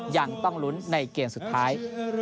ยังต้องลุ้นในเกมสุดท้าย